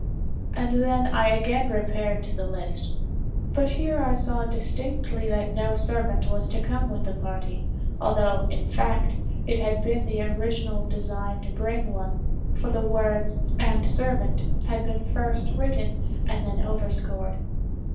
And then I again repaired to the list—but here I saw distinctly that no servant was to come with the party, although, in fact, it had been the original design to bring one—for the words "and servant" had been first written and then overscored.